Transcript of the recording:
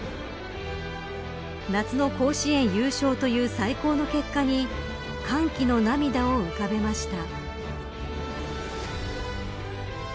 夏の甲子園優勝という最高の結果に歓喜の涙を浮かべました。